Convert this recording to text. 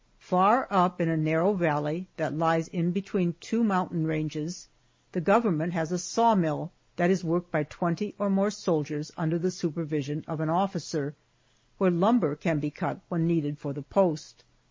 Far up a narrow valley that lies in between two mountain ranges, the government has a saw mill that is worked by twenty or more soldiers under the supervision of an officer, where lumber can be cut when needed for the post.